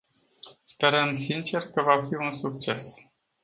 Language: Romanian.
Sperăm sincer că va fi un succes.